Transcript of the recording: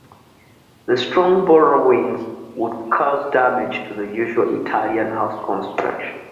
The strong bora winds would cause damage to the usual Italian house construction.